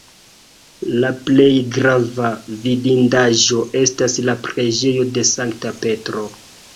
La plej grava vidindaĵo estas la preĝejo de Sankta Petro.